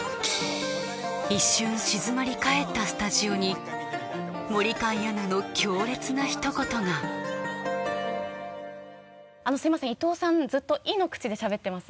一瞬静まりかえったスタジオに森開アナの強烈なひと言がすいません伊藤さんずっと「い」の口でしゃべってます